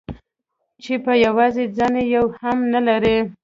چې په يوازې ځان يې يو هم نه لري.